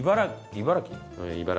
茨城。